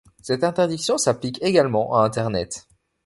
Cette interdiction s'applique également à Internet.